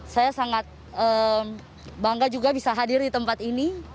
saya sangat bangga juga bisa hadir di tempat ini